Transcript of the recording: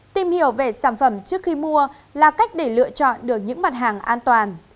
tìm hiểu về sản phẩm trước khi mua là cách để lựa chọn được những mặt hàng an toàn